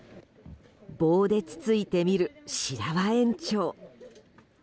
棒でつついてみる白輪園長。